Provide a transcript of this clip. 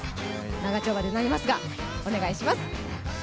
長丁場になりますがお願いします。